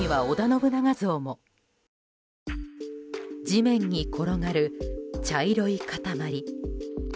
地面に転がる茶色い塊。